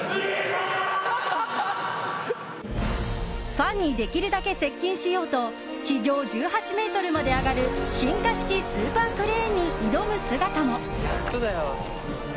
ファンにできるだけ接近しようと地上１８ｍまで上がる進化式スーパークレーンに挑む姿も。